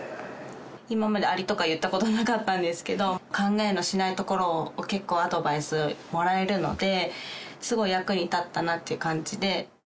今までアリとか言ったことなかったんですけど、考えもしないところを、結構アドバイスもらえるので、すごい役に立ったなっていう感じで。